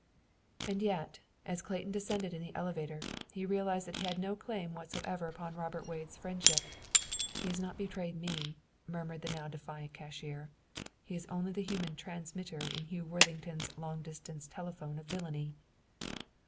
And yet, as Clayton descended in the elevator, he realized that he had no claim whatever upon Robert Wade's friendship. "He has not betrayed me," murmured the now defiant cashier. "He is only the human 'transmitter' in Hugh Worthington's 'long distance telephone' of villainy."